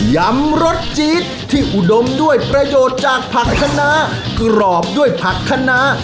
ยำรสจี๊ดที่อุดมด้วยประโยชน์จากผักคณะกรอบด้วยผักคณะ